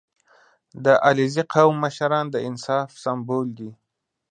• د علیزي قوم مشران د انصاف سمبول دي.